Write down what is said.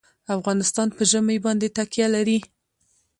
افغانستان په ژمی باندې تکیه لري.